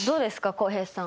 浩平さん